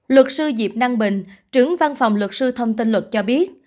luật sư diệp năng bình trưởng văn phòng luật sư thông tin luật cho biết